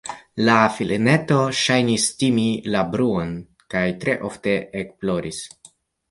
La filineto ŝajnis timi la bruon kaj tre ofte ekploris.